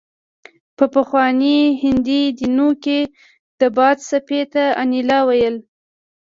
په پخواني هندي دینونو کې د باد څپې ته انیلا ویل